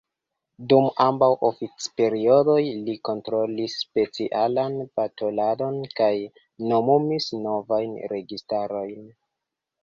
Dum ambaŭ oficperiodoj li kontrolis specialan balotadon kaj nomumis novajn registarojn.